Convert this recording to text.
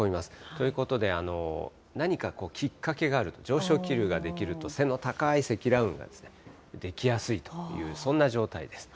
ということで、何かきっかけがあると、上昇気流が出来ると背の高い積乱雲ができやすいという、そんな状態です。